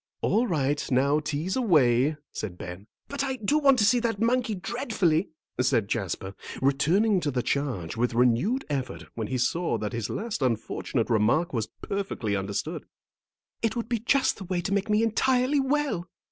"All right, now tease away," said Ben. "But I do want to see that monkey dreadfully," said Jasper, returning to the charge with renewed effort when he saw that his last unfortunate remark was perfectly understood; "it would be just the way to make me entirely well."